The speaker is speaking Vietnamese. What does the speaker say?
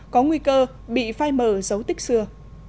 có nguy cơ bị phai mờ dấu tích xưa